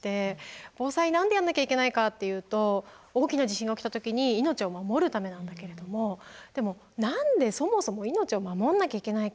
防災何でやんなきゃいけないかっていうと大きな地震が起きた時に命を守るためなんだけれども何でそもそも命を守んなきゃいけないか。